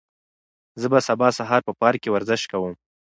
زه به سبا سهار په پارک کې ورزش کوم.